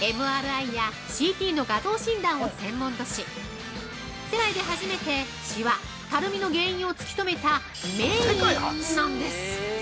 ＭＲＩやＣＴの画像診断を専門とし世界で初めて、しわ、たるみの原因を突き止めた名医なんです。